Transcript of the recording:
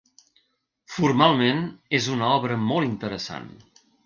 Formalment, és una obra molt interessant.